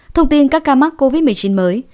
thông tin các ca mắc covid một mươi chín mới